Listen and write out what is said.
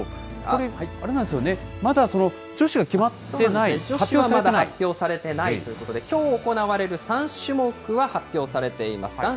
これ、あれなんですよね、まだ女女子はまだ発表されていないということで、きょう行われる３種目は発表されています。